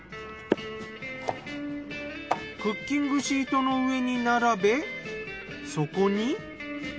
クッキングシートの上に並べそこに。